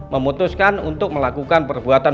memutuskan untuk melakukan perbuatan